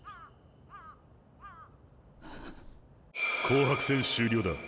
紅白戦終了だ。